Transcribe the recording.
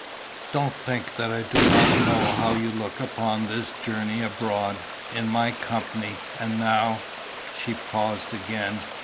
"Don't think that I do not know how you look upon this journey abroad, in my company, and now " She paused again.